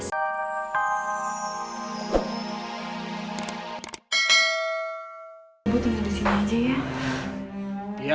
ibu tunggu disini aja ya